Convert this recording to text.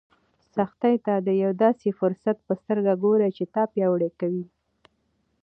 سختۍ ته د یو داسې فرصت په سترګه ګوره چې تا پیاوړی کوي.